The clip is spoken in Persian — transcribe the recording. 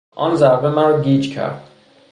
آن ضربه مرا گیج کرد.